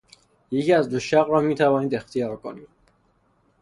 یکی از دو شق را میتوانید اختیار کنید.